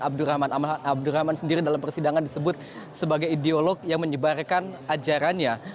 abdurrahman abdurrahman sendiri dalam persidangan disebut sebagai ideolog yang menyebarkan ajarannya